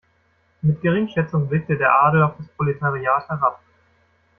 Mit Geringschätzung blickte der Adel auf das Proletariat herab.